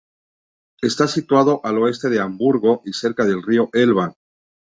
Está situado al oeste de Hamburgo y cerca del río Elba.